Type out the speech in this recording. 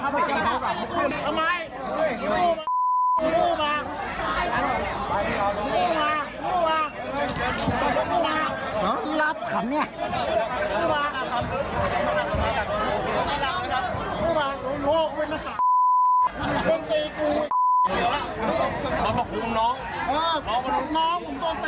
เดี๋ยวไปดูครับ